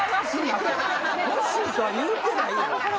欲しいとは言うてないやん。